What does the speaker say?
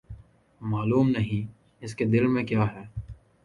معلوم نہیں، اس کے دل میں کیاہے؟